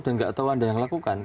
dan gak tau anda yang melakukan